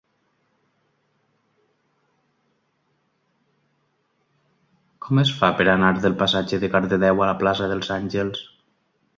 Com es fa per anar del passatge de Cardedeu a la plaça dels Àngels?